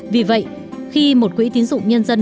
vì vậy khi một quỹ tiến dụng nhân dân